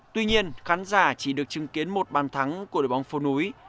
tuy nhiên khán giả chỉ được chứng kiến một bàn thắng của đội bóng phố núi